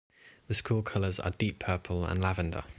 The school colors are deep purple and lavender.